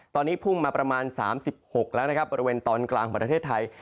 ตอนนี้พุ่งมาประมาณ๓๖แล้วนะครับบริเวณตอนกลางประเทศไทย